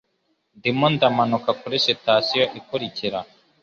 Ndimo ndamanuka kuri sitasiyo ikurikira.